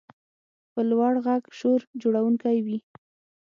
په لوړ غږ شور جوړونکی وي.